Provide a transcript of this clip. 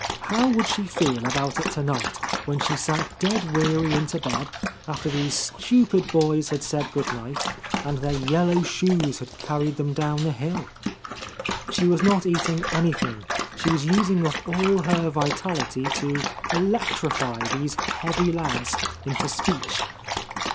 How would she feel about it tonight, when she sank dead weary into bed, after these stupid boys had said good night, and their yellow shoes had carried them down the hill? She was not eating anything, she was using up all her vitality to electrify these heavy lads into speech.